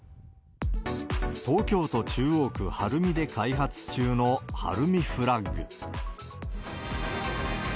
東京都中央区晴海で開発中のハルミフラッグ。